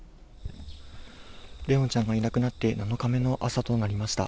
怜音ちゃんがいなくなって７日目の朝となりました。